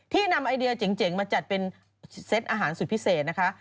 นำไอเดียเจ๋งมาจัดเป็นเซตอาหารสุดพิเศษนะคะ